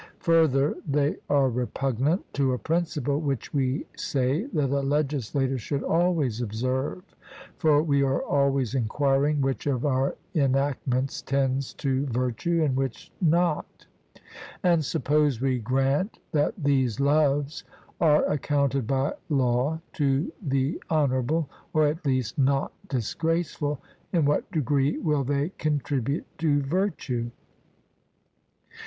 Further, they are repugnant to a principle which we say that a legislator should always observe; for we are always enquiring which of our enactments tends to virtue and which not. And suppose we grant that these loves are accounted by law to the honourable, or at least not disgraceful, in what degree will they contribute to virtue?